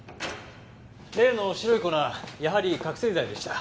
例の白い粉やはり覚醒剤でした。